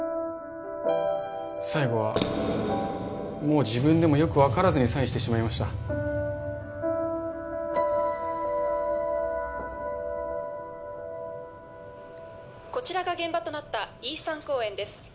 最後はもう自分でもよく分からずにサインしてしまいましたこちらが現場となった伊井山公園です